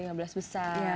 dengan lima belas besar